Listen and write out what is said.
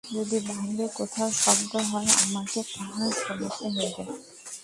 যদি বাহিরে কোথাও শব্দ হয়, আমাকে তাহা শুনিতেই হইবে।